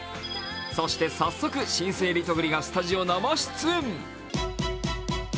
そして早速、新生リトグリがスタジオ生出演。